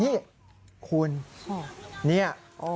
นี่คุณเนี่ย